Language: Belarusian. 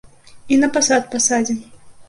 І на пасад пасадзім.